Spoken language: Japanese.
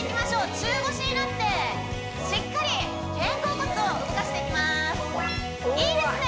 中腰になってしっかり肩甲骨を動かしていきますいいですね